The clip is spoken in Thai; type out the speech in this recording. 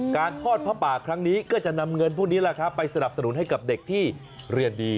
การทอดผ้าป่าครั้งนี้ก็จะนำเงินพวกนี้แหละครับไปสนับสนุนให้กับเด็กที่เรียนดี